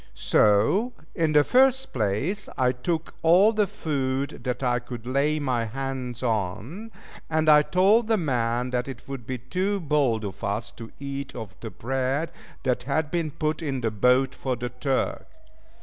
So in the first place, I took all the food that I could lay my hands on, and I told the man that it would be too bold of us to eat of the bread that had been put in the boat for the Turk.